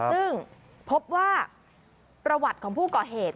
ซึ่งพบว่าประวัติของผู้ก่อเหตุ